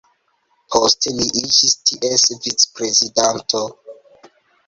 Poste li iĝis ties vicprezidanto.